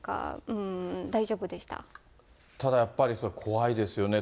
ただやっぱり怖いですよね。